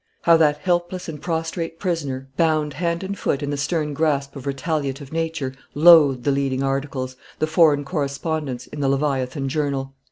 How that helpless and prostrate prisoner, bound hand and foot in the stern grasp of retaliative Nature, loathed the leading articles, the foreign correspondence, in the leviathan journal!